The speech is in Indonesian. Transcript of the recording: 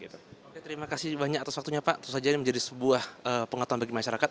terima kasih banyak atas waktunya pak tentu saja ini menjadi sebuah pengetahuan bagi masyarakat